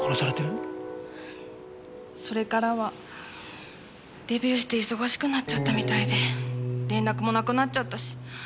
それからはデビューして忙しくなっちゃったみたいで連絡もなくなっちゃったし。